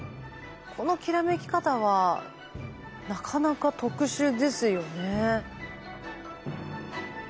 このきらめき方はなかなか特殊ですよね。